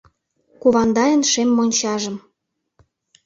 Кувандайын шем мончажым